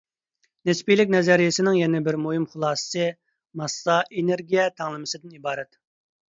نىسپىيلىك نەزەرىيەسىنىڭ يەنە بىر مۇھىم خۇلاسىسى، ماسسا - ئېنېرگىيە تەڭلىمىسىدىن ئىبارەت.